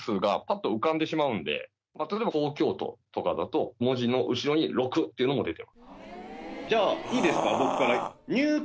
例えば「東京都」とかだと文字の後ろに「６」っていうのも出て。